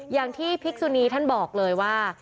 อย่างที่พิกษุนีท่านบอกเลยว่า